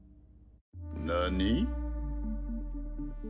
何？